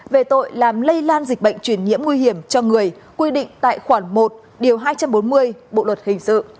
về tội làm lây lan dịch bệnh truyền nhiễm nguy hiểm cho người quy định tại khoản một điều hai trăm bốn mươi bộ luật hình sự